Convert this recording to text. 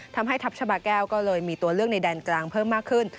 ทัพชาบาแก้วก็เลยมีตัวเลือกในแดนกลางเพิ่มมากขึ้น